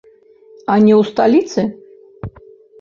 А не ў сталіцы?